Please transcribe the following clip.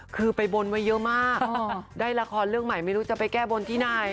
คือไปบนไว้เยอะมากได้ละครเรื่องใหม่ไม่รู้จะไปแก้บนที่ไหน